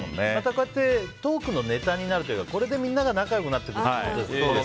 こうやってトークのネタになるというかこれでみんな仲良くなってくるという。